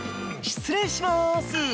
失礼します！